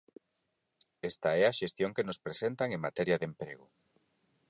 Esta é a xestión que nos presentan en materia de emprego.